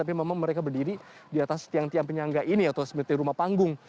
tapi memang mereka berdiri di atas tiang tiang penyangga ini atau seperti rumah panggung